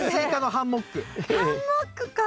ハンモックか。